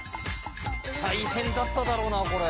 大変だっただろうなこれ。